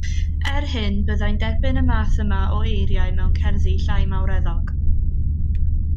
Er hyn byddai'n derbyn y math yma o eiriau mewn cerddi llai mawreddog